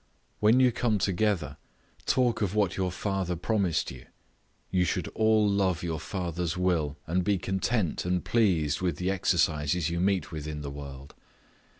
When you come together, talk of what your Father promised you; you should all love your Father's will, and be content and pleased with the exercises you meet with in the world.